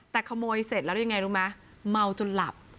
แต่ครมอยเสร็จแล้วยังไงนึกมั้ยเหมาจนหลับ